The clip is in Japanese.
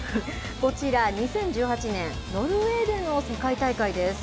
こちら２０１８年、ノルウェーでの世界大会です。